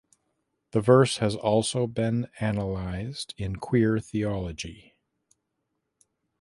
The verse has also been analyzed in queer theology.